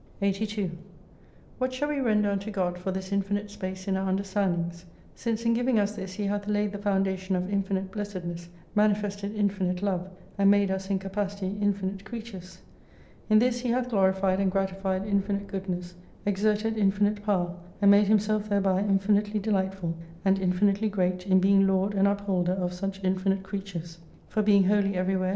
82 What shall we render unto God for this infinite space in our understandings ? Since in giving us this He hath laid the foundation of infinite blessedness, manifested infinite love, and made us in capacity infinite creatures. In this He hath glorified and gratified infinite goodness ; exerted infinite power : and made Himself thereby infinitely delightful, and infinitely great, in being Lord and Upholder of such infinite creatures. For being wholly everywhere.